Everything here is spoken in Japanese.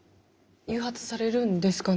誘発されるんですかね？